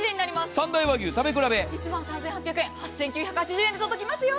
三大和牛食べ比べ、１万３８００円、８９８０円で届きますよ。